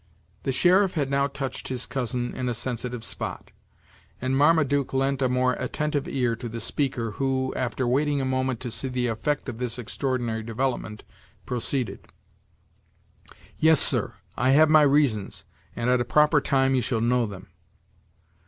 The sheriff had now touched his cousin in a sensitive spot; and Marmaduke lent a more attentive ear to the speaker, who, after waiting a moment to see the effect of this extraordinary development, proceeded: "Yes, sir, I have my reasons, and at a proper time you shall know them."